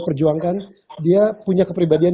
perjuangkan dia punya kepribadian